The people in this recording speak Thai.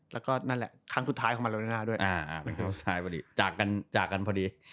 แล้วก็นั่นแหละครั้งสุดท้ายเข้ามาจากจากกันพอดี